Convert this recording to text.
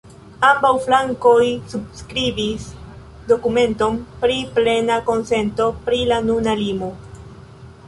Ambaŭ flankoj subskribis dokumenton pri plena konsento pri la nuna limo.